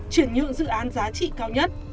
chuyển nhượng dự án giá trị cao nhất